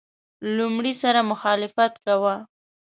لومړي سره مخالفت کاوه.